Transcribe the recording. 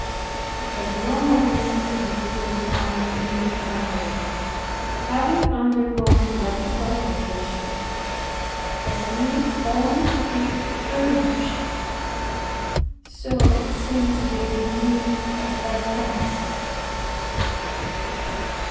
It has no more need to be purified in the fire, having undergone that operation; but needs only to be burnished. So it seemed to be with me at that time.